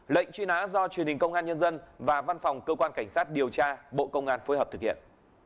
lệnh truy nã do truyền hình công an nhân dân và văn phòng cơ quan cảnh sát điều tra bộ công an phối hợp thực hiện